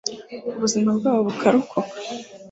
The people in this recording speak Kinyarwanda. ubuzima bwabo bukarokoka